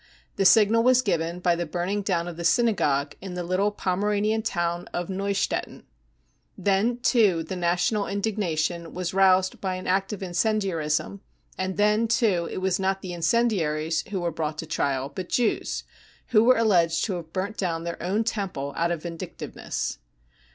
The signal was given by the burning down of the synagogue in the little Pomeranian town of Neustettin. (Then too the 44 national 55 indignation was roused by an act of incendiarism ; and then too it was not the incendiaries who were brought to trial, but Jews, who were alleged to have burnt down their own temple out of vindictiveness.)